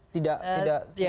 tidak tidak tidak